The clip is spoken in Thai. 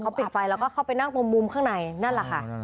เขาปิดไฟแล้วก็เข้าไปนั่งตรงมุมข้างในนั่นแหละค่ะ